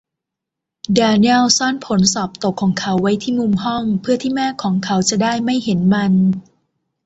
แดเนียลซ่อนผลสอบตกของเขาไว้ที่มุมห้อง เพื่อที่แม่ของเขาจะได้ไม่เห็นมัน